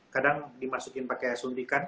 kadang dimasukin pakai suntikan